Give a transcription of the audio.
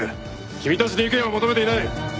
君たちに意見は求めていない！